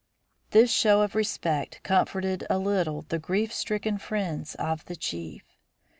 This show of respect comforted a little the grief stricken friends of the chief.